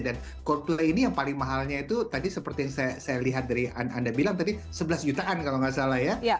dan coldplay ini yang paling mahalnya itu tadi seperti yang saya lihat dari anda bilang tadi sebelas jutaan kalau gak salah ya